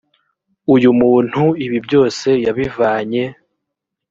uyu muntu ibi byose yabivanye